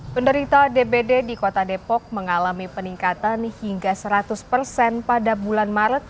penderita dbd di kota depok mengalami peningkatan hingga seratus persen pada bulan maret